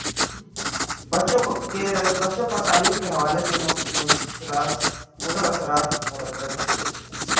بچوں پر تعلیم کے حوالے سے مضراثرات مرتب ہوئے